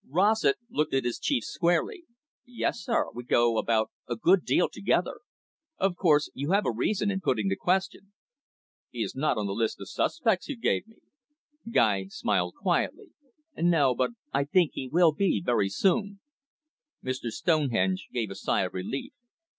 Rossett looked at his chief squarely. "Yes, sir, we go about a good deal together. Of course, you have a reason in putting the question." "He is not on the list of `suspects' you gave me." Guy smiled quietly. "No, but I think he will be very soon." Mr Stonehenge gave a sigh of relief.